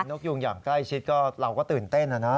นกยูงอย่างใกล้ชิดก็เราก็ตื่นเต้นนะนะ